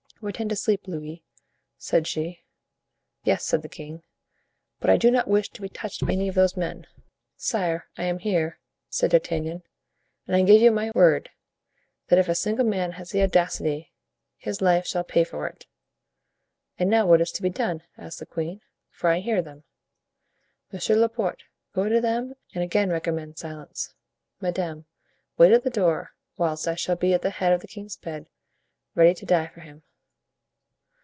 "Pretend to sleep, Louis," said she. "Yes," said the king, "but I do not wish to be touched by any of those men." "Sire, I am here," said D'Artagnan, "and I give you my word, that if a single man has the audacity, his life shall pay for it." "And now what is to be done?" asked the queen, "for I hear them." "Monsieur Laporte, go to them and again recommend silence. Madame, wait at the door, whilst I shall be at the head of the king's bed, ready to die for him."